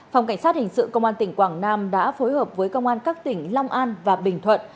phòng cảnh sát hình sự công an tỉnh quảng nam đã phối hợp với công an các tỉnh long an và bình thuận